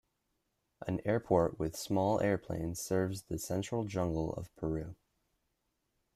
An airport with small airplanes serves the Central Jungle of Peru.